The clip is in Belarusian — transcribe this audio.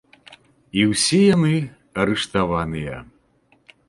І ўсе яны арыштаваныя.